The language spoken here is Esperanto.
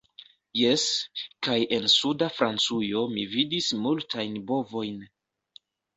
Jes, kaj en suda Francujo mi vidis multajn bovojn..